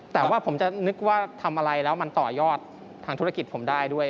แต่ว่าผมจะนึกว่าทำอะไรแล้วมันต่อยอดทางธุรกิจผมได้ด้วย